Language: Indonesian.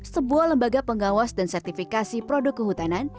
sebuah lembaga pengawas dan sertifikasi produk kehutanan